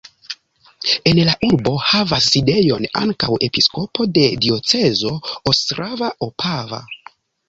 En la urbo havas sidejon ankaŭ episkopo de diocezo ostrava-opava.